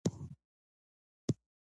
که مینه وي، زړونه نه ماتېږي.